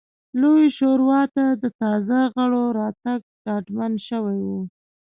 لویې شورا ته د تازه غړو راتګ ډاډمن شوی و